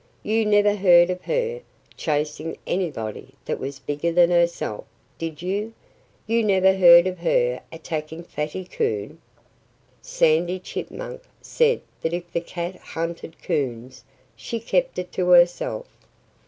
"You never heard of her chasing anybody that was bigger than herself, did you? You never heard of her attacking Fatty Coon!" Sandy Chipmunk said that if the cat hunted coons, she kept it to herself.